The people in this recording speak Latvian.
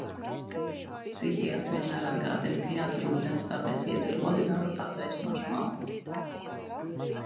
Psihiatre vienmēr atgādina, ka jādzer ūdens, tāpēc iedzeru labi daudz atvēsinošu malku.